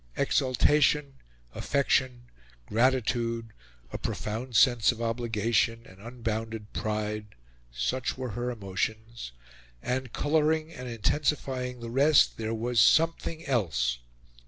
Exultation, affection, gratitude, a profound sense of obligation, an unbounded pride such were her emotions; and, colouring and intensifying the rest, there was something else.